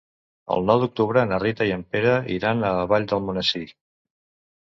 El nou d'octubre na Rita i en Pere iran a la Vall d'Almonesir.